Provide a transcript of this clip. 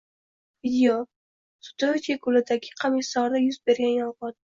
Video: Sudochye ko‘lidagi qamishzorda yuz bergan yong‘in